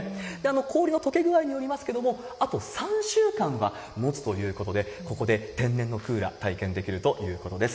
氷のとけ具合によりますけれども、あと３週間はもつということで、ここで天然のクーラー体験できるということです。